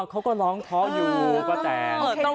โอ้เขาก็ร้องท้ออยู่ก็แต่